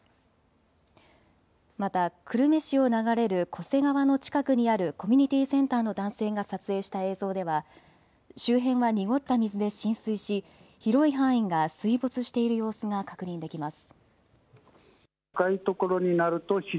また久留米市を流れる巨瀬川の近くにあるコミュニティセンターの男性が撮影した映像では周辺は濁った水で浸水し広い範囲が水没している様子が確認できます。